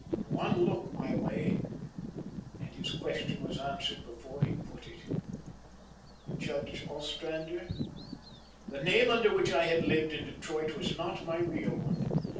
"One look my way and his question was answered before he put it. Judge Ostrander, the name under which I had lived in Detroit was not my real one.